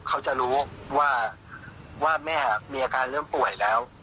เขาจะรู้ว่าแม่มีอาการเริ่มป่วยแล้ว